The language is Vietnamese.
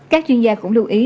các chuyên gia cũng lưu ý